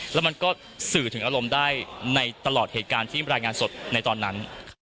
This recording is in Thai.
แล้วมันก็สื่อถึงอารมณ์ได้ในตลอดเหตุการณ์ที่รายงานสดในตอนนั้น